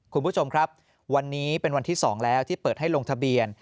คุณผู้ชมครับวันนี้เป็นวันที่๒แล้วที่เปิดให้ลงทะเบียน